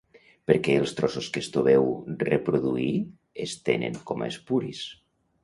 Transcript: Per què els trossos que Estobeu reproduí es tenen com a espuris?